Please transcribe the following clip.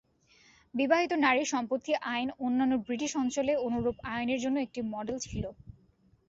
বিবাহিত নারী সম্পত্তি আইন অন্যান্য ব্রিটিশ অঞ্চলে অনুরূপ আইনের জন্য একটি মডেল ছিল।